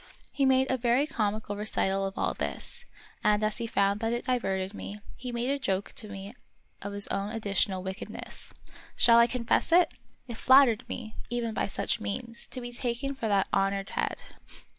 He made a very comical recital of all this, and of Peter Schlemihl. 39 as he found that it diverted me, he made a joke to me of his own additional wickedness. Shall I confess it? It flattered me, even by such means, to be taken for that honored head.